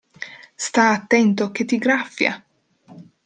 Sta' attento che ti graffia!